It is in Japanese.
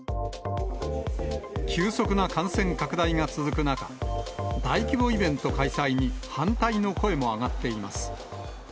急速な感染拡大が続く中、大規模イベント開催に反対の声も上がっています。